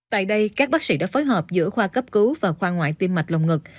tại đây các bác sĩ đã phối hợp giữa khoa cấp cứu và khoa ngoại tim mạch lồng ngực